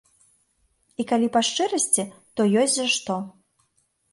І калі па шчырасці, то ёсць за што.